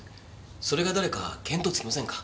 それが誰か見当つきませんか？